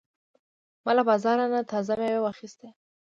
ما له بازار نه تازه مېوې واخیستې.